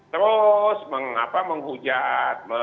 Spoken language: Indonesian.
terus mengajak kita semua untuk bertabayun untuk bertanya kepada sumbernya